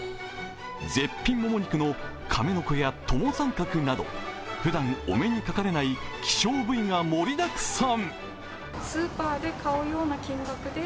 絶品モモ肉のカメノコやトモサンカクなどふだん、お目にかかれない、希少部位が盛りだくさん。